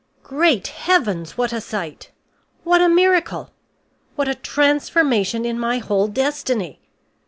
Great heavens, what a sight! What a miracle! What a transformation in my whole destiny!